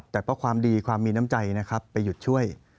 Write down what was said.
แต่เพราะความดีความมีน้ำใจนะครับไปหยุดช่วย